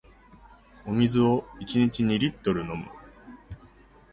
お水を一日二リットル飲む